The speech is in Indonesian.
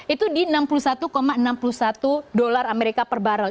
itu di enam puluh satu enam puluh satu dolar amerika per barrel